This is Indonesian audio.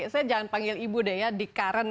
saya jangan panggil ibu deh ya di current